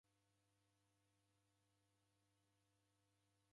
Kwaw'ona kubonye uw'o?